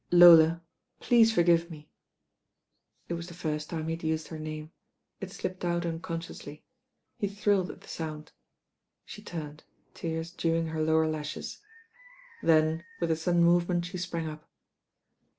"Lola, please forgive me." It was the first time he had used her name. It slipped out unconsciously. He thrilled at the sound. She turned, tears dewmg her lower lashes. Then with a sudden movement she sprang up.